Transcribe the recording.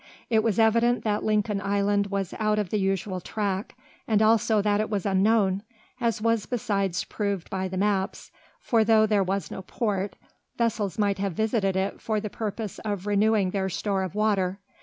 It was evident that Lincoln Island was out of the usual track, and also that it was unknown, as was besides proved by the maps, for though there was no port, vessels might have visited it for the purpose of renewing their store of water.